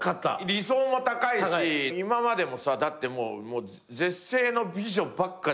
理想も高いし今までもだって絶世の美女ばっか。